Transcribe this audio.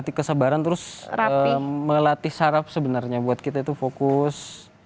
melatih kesabaran terus melatih syaraf sebenarnya buat kita itu fokus